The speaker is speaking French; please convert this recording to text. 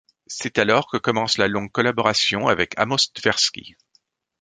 C'est alors que commence la longue collaboration avec Amos Tversky.